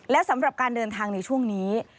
และสำหรับการเดินทางในช่วงนี้